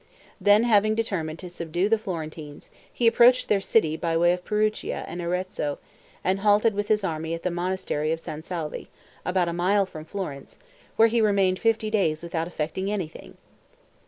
Then, having determined to subdue the Florentines, he approached their city by the way of Perugia and Arezzo, and halted with his army at the monastery of San Salvi, about a mile from Florence, where he remained fifty days without effecting anything.